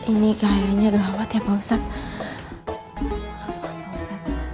ini kayaknya gelawat ya pak ustadz